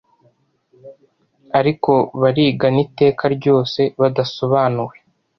Ariko barigana iteka ryose badasobanuwe.